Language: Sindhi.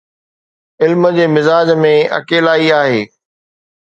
علم جي مزاج ۾ اڪيلائي آهي.